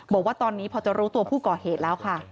บอกว่าตอนนี้พอจะรู้ตัวผู้ก่อเหตุแล้วค่ะ